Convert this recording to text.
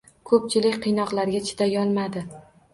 Ko`pchilik qiynoqlarga chidayolmadi